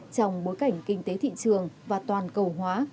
trong bối cảnh kinh tế thị trường và toàn cầu hóa